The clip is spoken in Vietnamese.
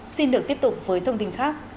xin được tiếp tục với thông tin khác